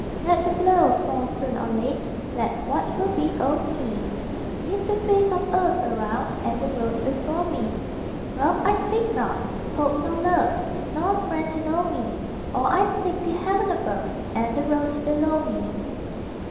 Let the blow fall soon or late, Let what will be o'er me; Give the face of earth around And the road before me. Wealth I seek not, hope nor love, Nor a friend to know me; All I seek, the heaven above And the road below me.